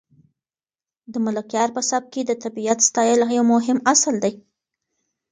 د ملکیار په سبک کې د طبیعت ستایل یو مهم اصل دی.